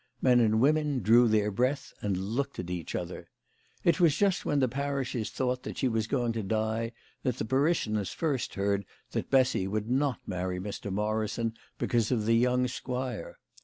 Men and women drew their breath and looked at each other. It was just when the parishes thought that she was going to die that the parishioners first heard that Bessy would not marry Mr. Morrison because of the young squire.